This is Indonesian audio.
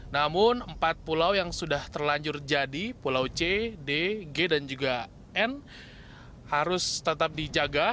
namun empat pulau yang sudah terlanjur jadi pulau c d g dan juga n harus tetap dijaga